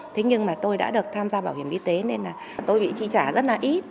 thế nhưng mà tôi đã được tham gia bảo hiểm y tế nên là tôi bị trị trả rất là ít